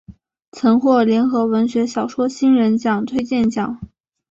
曾获联合文学小说新人奖推荐奖。